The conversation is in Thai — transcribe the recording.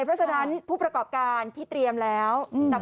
เพราะฉะนั้นผู้ประกอบการที่เตรียมแล้ว